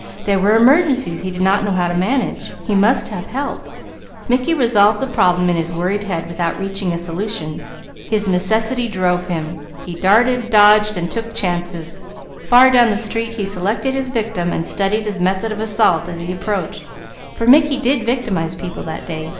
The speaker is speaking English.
There were emergencies he did not know how to manage. He must have help. Mickey revolved the problem in his worried head without reaching a solution. His necessity drove him. He darted, dodged and took chances. Far down the street he selected his victim and studied his method of assault as he approached; for Mickey did victimize people that day.